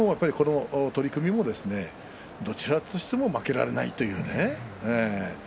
どちらとしても負けられないというね